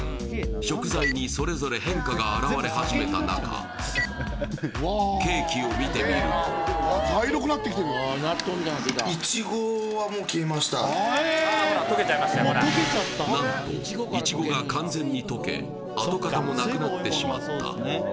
食材にそれぞれ変化が表れ始めた中ケーキを見てみると何とイチゴが完全に溶け跡形もなくなってしまった